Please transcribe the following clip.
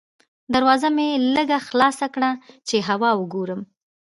دروازه مې لږه خلاصه کړه چې هوا وګورم.